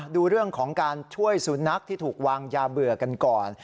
ดูเรื่องของการช่วยสุนัขที่ถูกวางยาเบื่อกันก่อน